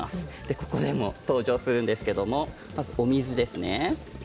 ここでも登場するんですけれどもまずお水です。